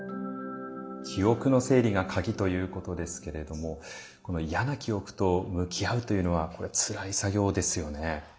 記憶の整理が鍵ということですけれどもこの嫌な記憶と向き合うというのはこれはつらい作業ですよね。